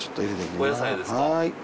お野菜ですか。